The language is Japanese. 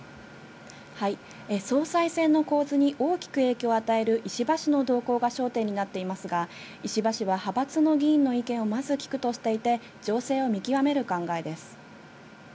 総裁選の構図に大きく影響を与える石破氏の動向が焦点になっていますが、石破氏は派閥の議員の意見をまず聞くとしていて情勢を見極める考えです。